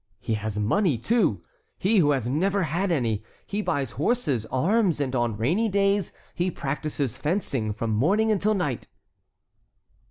He has money, too, he who has never had any. He buys horses, arms, and on rainy days he practises fencing from morning until night."